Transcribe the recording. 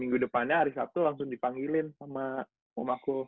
minggu depannya hari sabtu langsung dipanggilin sama om aku